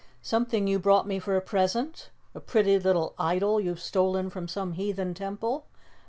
"Something you brought me for a present? A pretty little idol you've stolen from some heathen temple?